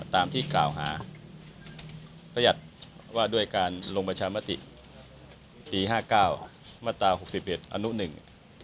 ตามที่กล่าวหาขยัดว่าด้วยการลงประชามติ๔๕๙มาตรา๖๑อนุหนึ่ง